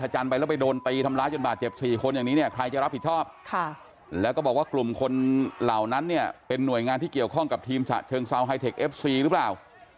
เหล่านั้นเป็นหน่วยงานที่เกี่ยวข้องกับทีมฉะเชิงซาวน์ไฮเทคเอฟซีหรือเปล่า